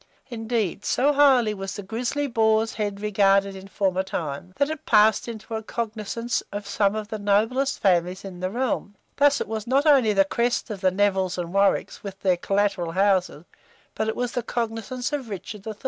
Indeed, so highly was the grizzly boar's head regarded in former times, that it passed into a cognizance of some of the noblest families in the realm: thus it was not only the crest of the Nevills and Warwicks, with their collateral houses, but it was the cognizance of Richard III.